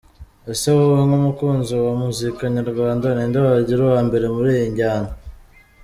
Ese wowe nk’umukunzi wa muzika nyarwanda n’inde wagira uwambere muri iyi njyana ?.